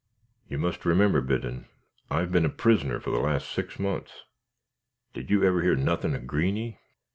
"You must remember, Biddon, I've been a prisoner for the last six months." "Did you ever hear nothin' of Greeny?"